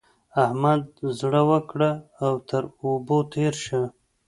احمد زړه وکړه او تر اوبو تېر شه.